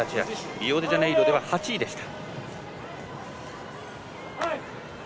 リオデジャネイロでは８位でした。